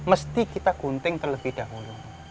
mesti kita gunting terlebih dahulu